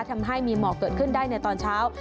ทำให้มีหมอกเกิดขึ้นได้ในตอนเช้า